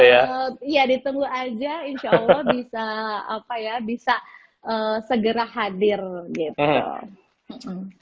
ya ditunggu aja insya allah bisa apa ya bisa segera hadir gitu